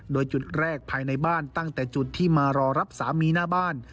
โดยจุดแรกภายในบ้านตั้งแต่จุดที่มารอรับสามีหน้าบ้าน